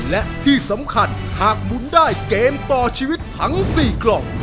และที่สำคัญหากหมุนได้เกมต่อชีวิตทั้ง๔กล่อง